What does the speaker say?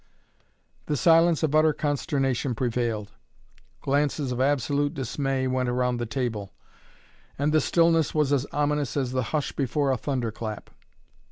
The silence of utter consternation prevailed. Glances of absolute dismay went round the table, and the stillness was as ominous as the hush before a thunderclap.